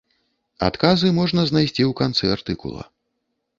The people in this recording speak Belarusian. Адказы можна знайсці ў канцы артыкула.